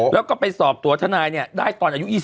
แล้วก็ไปสอบตัวทนายได้ตอนอายุ๒๐